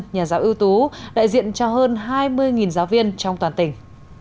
nhà giáo ưu tú đại diện cho hơn hai mươi giáo viên trong toàn tỉnh